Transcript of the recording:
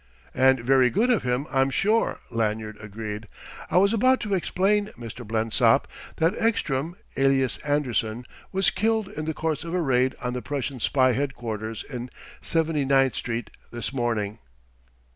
"And very good of him, I'm sure," Lanyard agreed. "I was about to explain, Mr. Blensop, that Ekstrom, alias Anderson, was killed in the course of a raid on the Prussian spy headquarters in Seventy ninth Street this morning."